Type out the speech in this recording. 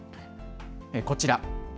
こちら。